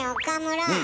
岡村。